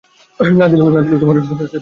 না দিলেও, দিতে হবে।